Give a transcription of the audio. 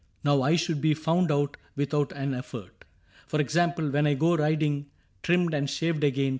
— Now I should be Found out without an effort. For example : When I go riding, trimmed and shaved again.